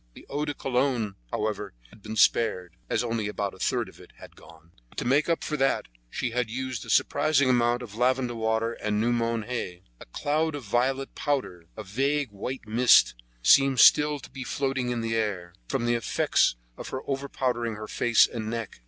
The eau de cologne, however, had been spared, as only about a third of it had gone; but to make up for that she had used a surprising amount of lavender water and new mown hay. A cloud of violet powder, a vague white mist, seemed still to be floating in the air, from the effects of her over powdering her face and neck.